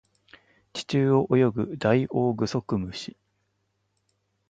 地中を泳ぐダイオウグソクムシ